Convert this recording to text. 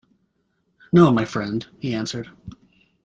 "No, my friend," he answered.